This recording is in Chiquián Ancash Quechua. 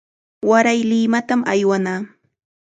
Waray Limatam aywanaa.